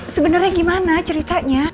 sebenernya gimana ceritanya